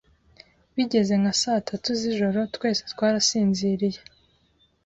bigeze nka saa tatu z’ijoro twese twarasinziriye